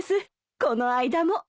この間も。